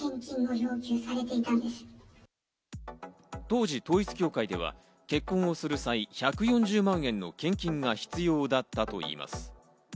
当時、統一教会では結婚をする際、１４０万円の献金が必要だったといいます。